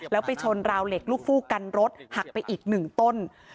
แล้วไปชนราวเหล็กลูกฟู้กันรถหักไปอีก๑ต้น